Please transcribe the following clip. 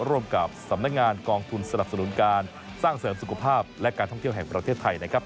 ร่วมกับสำนักงานกองทุนสนับสนุนการสร้างเสริมสุขภาพและการท่องเที่ยวแห่งประเทศไทยนะครับ